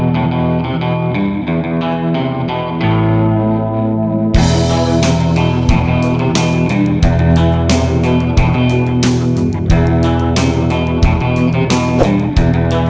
baik langganan nya vivre